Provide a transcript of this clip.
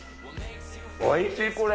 おいしい、これ。